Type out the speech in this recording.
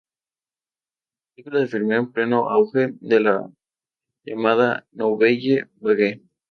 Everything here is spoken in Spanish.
La película se filmó en pleno auge de la llamada "nouvelle vague".